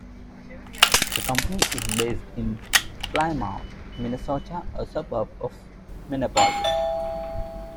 The company is based in Plymouth, Minnesota, a suburb of Minneapolis.